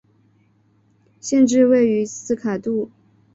县治位于斯卡杜。